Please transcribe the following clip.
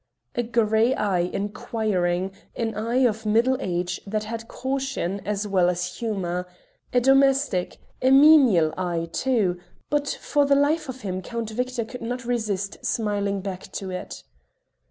A grey eye inquiring, an eye of middle age that had caution as well as humour. A domestic a menial eye too, but for the life of him Count Victor could not resist smiling back to it.